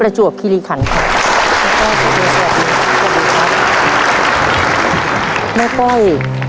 มันก็จะมีความสุขมีรอยยิ้ม